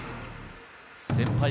先輩